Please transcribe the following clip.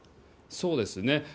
そうですね。